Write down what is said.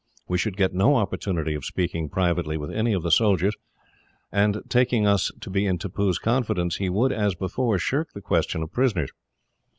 We should get no opportunity of speaking privately with any of the soldiers, and, taking us to be in Tippoo's confidence, he would, as before, shirk the question of prisoners.